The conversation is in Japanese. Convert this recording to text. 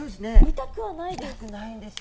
痛くはないです。